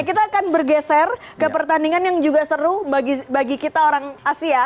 kita akan bergeser ke pertandingan yang juga seru bagi kita orang asia